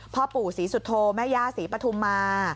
พ่อปู่ศรีสุโธแม่ย่าศรีปฐุมมา